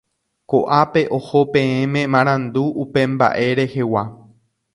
Koʼápe oho peẽme marandu upe mbaʼe rehegua.